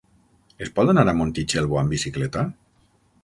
Es pot anar a Montitxelvo amb bicicleta?